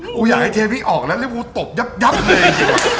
กูอยากให้เทพี่ออกแล้วแล้วกูตบยับเลย